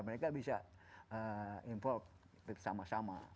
mereka bisa import bersama sama